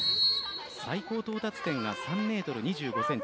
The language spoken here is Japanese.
最高到達点が３ｍ２５ｃｍ。